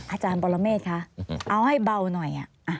อาจารย์ปรเมฆคะเอาให้เบาหน่อย